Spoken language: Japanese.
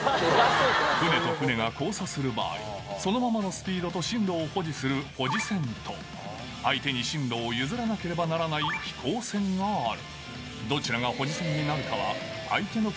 船と船が交差する場合、そのままのスピードと進路を保持する保持船と、相手に進路を譲らなければならない飛行船がある。